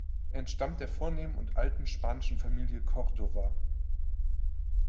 Er entstammt der vornehmen und alten spanischen Familie Cordova.